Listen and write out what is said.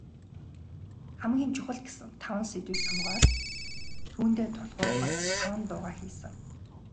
Хамгийн чухал гэсэн таван сэдвийг сонгоод, түүндээ тулгуурлан таван дуугаа хийсэн.